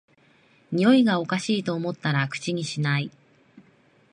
においがおかしいと思ったら口にしない